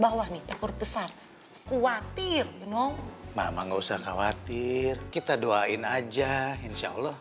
bawah nih ekor besar khawatir mama nggak usah khawatir kita doain aja insya allah